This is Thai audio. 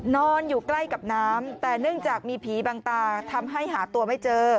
นอนอยู่ใกล้กับน้ำแต่เนื่องจากมีผีบางตาทำให้หาตัวไม่เจอ